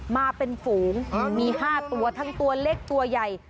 มาเป็นฝูงมี๕ตัวทั้งตัวเล็กตัวใหญ่